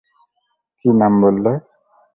কী নাম বললে?